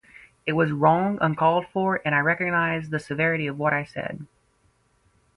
It was wrong, uncalled for and I recognize the severity of what I said.